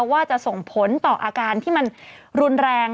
ว่าจะส่งผลต่ออาการที่มันรุนแรง